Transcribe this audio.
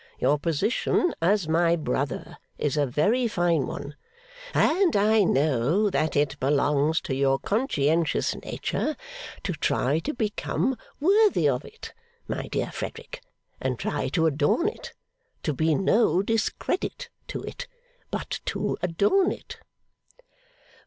Your position, as my brother, is a very fine one. And I know that it belongs to your conscientious nature to try to become worthy of it, my dear Frederick, and to try to adorn it. To be no discredit to it, but to adorn it.